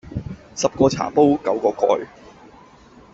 十個茶煲九個蓋